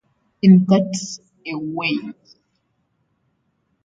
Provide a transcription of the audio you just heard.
In Cats A-Weigh!